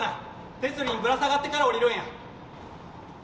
手すりにぶら下がってから下りるんや。